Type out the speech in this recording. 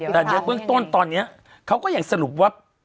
แต่เดี๋ยวเบื้องต้นตอนนี้เขาก็อย่างสรุปว่า